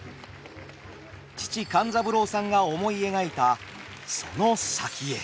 父勘三郎さんが思い描いたその先へ。